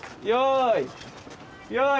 よい！